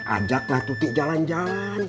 ajaklah tuti jalan jalan